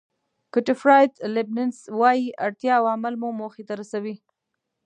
ګوټفراید لیبنېز وایي اړتیا او عمل مو موخې ته رسوي.